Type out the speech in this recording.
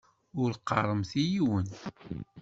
Ur qqaremt i yiwen!